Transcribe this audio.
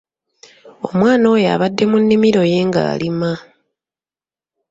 Omwana oyo abadde mu nnimiro ye ng'alima.